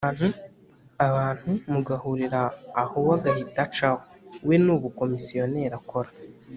A bantu mugahurira aho we agahita acaho, We ni ubukomisiyoneri akora